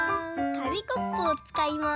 かみコップをつかいます。